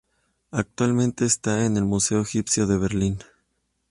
Actualmente está en el Museo Egipcio de Berlín.